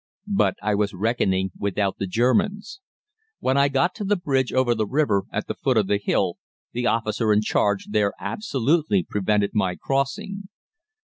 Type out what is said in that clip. But I was reckoning without the Germans. When I got to the bridge over the river at the foot of the hill, the officer in charge there absolutely prevented my crossing.